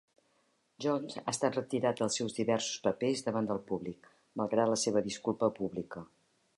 Johns ha estat retirat dels seus diversos papers davant del públic malgrat la seva disculpa pública.